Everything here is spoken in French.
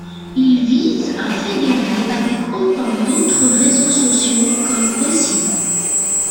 Il vise à fédérer avec autant d'autres réseaux sociaux comme possible.